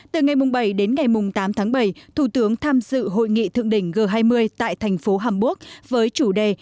từ ngày bảy đến ngày tám tháng bảy thủ tướng tham dự hội nghị thượng đỉnh g hai mươi tại thành phố hàmburg với chủ đề